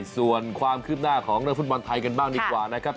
ส่วนความคืบหน้าของเรื่องฟุตบอลไทยกันบ้างดีกว่านะครับ